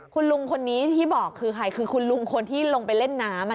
คุณลุงคนนี้ที่บอกคือใครคือคุณลุงคนที่ลงไปเล่นน้ำ